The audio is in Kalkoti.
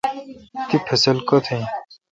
تی فصل کتہ این؟